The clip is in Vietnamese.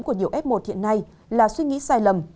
của nhiều f một hiện nay là suy nghĩ sai lầm